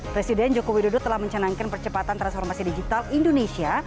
presiden joko widodo telah mencanangkan percepatan transformasi digital indonesia